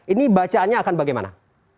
ini bacaannya akan bagaimana